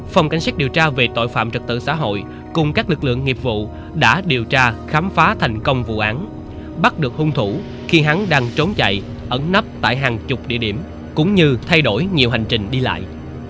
phòng cảnh sát điều tra về tội phạm trật tự xã hội cùng các lực lượng nghiệp vụ đã điều tra khám phá thành công vụ án bắt được hung thủ khi hắn đang trốn chạy ẩn nấp tại hàng chục địa điểm cũng như thay đổi nhiều hành trình đi lại